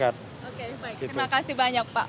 iya terima kasih